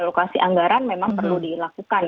alokasi anggaran memang perlu dilakukan